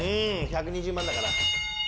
１２０万だから。